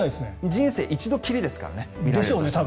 人生一度きりですからね。